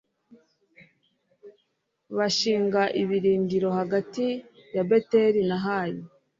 bashinga ibirindiro hagati ya beteli na hayi